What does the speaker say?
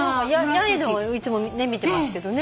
八重のをいつも見てますけどね。